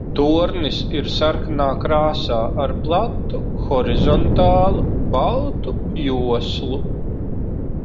Tornis ir sarkanā krāsā ar platu, horizontālu baltu joslu.